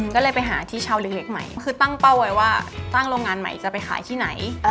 ก็เลยไปหาที่เช่าเล็กใหม่คือตั้งเป้าไว้ว่าตั้งโรงงานใหม่จะไปขายที่ไหน